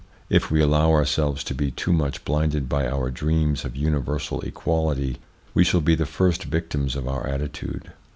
If we allow ourselves to be too much blinded by our dreams of universal equality we shall be the first victims of our attitude.